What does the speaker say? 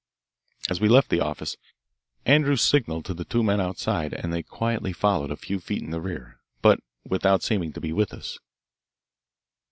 As we left the office, Andrews signalled to the two men outside, and they quietly followed a few feet in the rear, but without seeming to be with us.